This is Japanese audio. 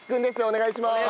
お願いします！